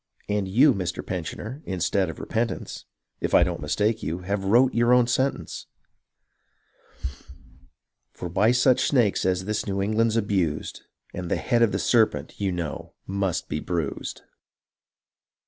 And you, Mr. Pensioner, instead of repentance (If I don't mistake you), have wrote your own sentence ; For by such sjiakcs as this New England's abused And the head of the serpents, you know, must be bruised."